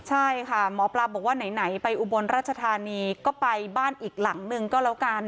ใช่ค่ะหมอปลาบอกว่าไหนไปอุบลราชธานีก็ไปบ้านอีกหลังนึงก็แล้วกัน